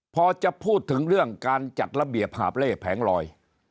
พอจะพูดถึงเรื่องการจัดระเบียบหาบเล่แผงลอย